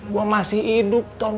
gua masih hidup tom